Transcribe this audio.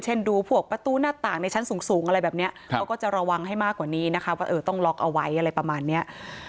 ดูพวกประตูหน้าต่างในชั้นสูงอะไรแบบนี้เขาก็จะระวังให้มากกว่านี้นะคะว่าเออต้องล็อกเอาไว้อะไรประมาณเนี้ย